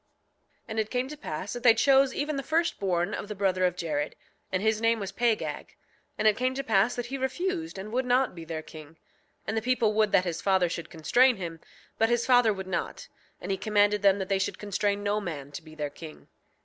6:25 And it came to pass that they chose even the firstborn of the brother of Jared; and his name was Pagag. And it came to pass that he refused and would not be their king. And the people would that his father should constrain him, but his father would not; and he commanded them that they should constrain no man to be their king.